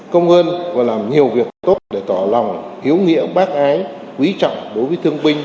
công ơn và làm nhiều việc tốt để tỏ lòng hiếu nghĩa bác ái quý trọng đối với thương binh